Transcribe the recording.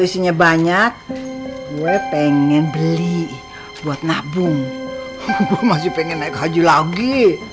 isinya banyak gue pengen beli buat nabung gue masih pengen naik haji lagi